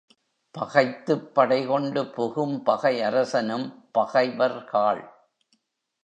பகைத்துப் படைகொண்டு புகும் பகையரசனும், பகைவர்காள்!